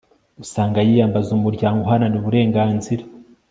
usanga yiyambaza umuryango uharanira uburenganzira